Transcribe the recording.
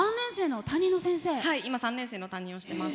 今３年生の担任をしています。